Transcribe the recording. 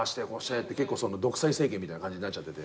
結構独裁政権みたいな感じになっちゃってて。